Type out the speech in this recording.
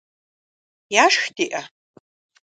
Яшх диӏэ?